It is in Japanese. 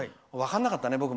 分からなかったね